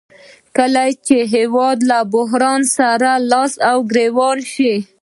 کله چې هېواد له بحران سره لاس او ګریوان شي